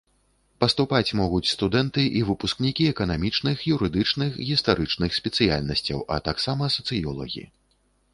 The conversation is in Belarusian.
Паступаць могуць студэнты і выпускнікі эканамічных, юрыдычных, гістарычных спецыяльнасцяў, а таксама сацыёлагі.